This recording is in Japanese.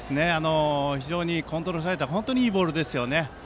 非常にコントロールされた本当にいいボールですよね。